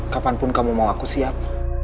kapanpun kamu mau aku siap